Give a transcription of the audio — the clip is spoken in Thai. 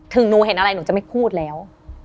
หนูเห็นอะไรหนูจะไม่พูดแล้ว